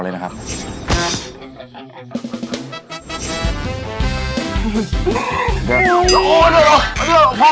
เรียบร้อยแล้วคุณหน้า